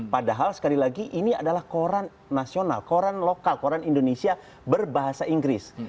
padahal sekali lagi ini adalah koran nasional koran lokal koran indonesia berbahasa inggris